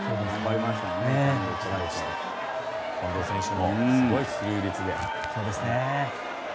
近藤選手もすごい出塁率で。